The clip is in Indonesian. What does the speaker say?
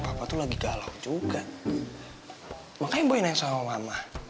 bapak tuh lagi galau juga makanya boleh nanya sama mama